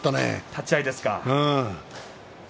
立ち合いですか。